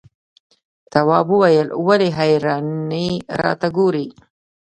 تواب وويل: ولې حیرانې راته ګوري؟